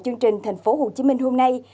chương trình tp hcm hôm nay